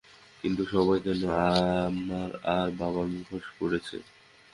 কিন্তু সবাই কেন আমার আর বাবার মুখোশ পরেছে?